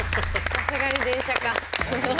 さすがに電車か。